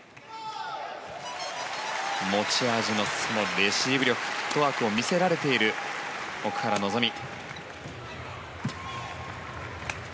持ち味のレシーブ力フットワークを見せられている奥原希望。